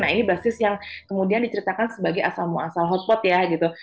nah ini basis yang kemudian diceritakan sebagai asal muasal hotpot ya gitu